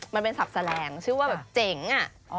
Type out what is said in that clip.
มันเป็นศัพท์แสลงชื่อว่าเจ๋งอะ